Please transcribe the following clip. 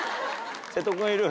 瀬戸君いる？